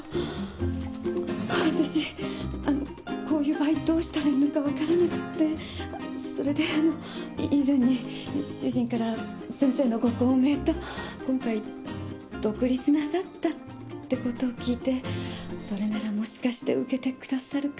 わたしこういう場合どうしたらいいのか分からなくてそれであの以前に主人から先生のご高名と今回独立なさったってことを聞いてそれならもしかして受けてくださるかなって。